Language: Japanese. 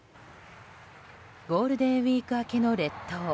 ゴールデンウィーク明けの列島。